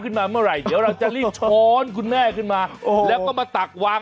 เมื่อไหร่เดี๋ยวเราจะรีบช้อนคุณแม่ขึ้นมาแล้วก็มาตักวาง